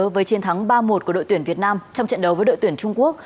với chiến thắng ba một của đội tuyển việt nam trong trận đấu với đội tuyển trung quốc